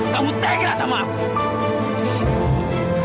kamu tega sama aku